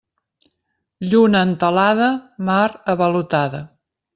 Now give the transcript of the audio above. Lluna entelada, mar avalotada.